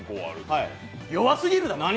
弱すぎるだろう！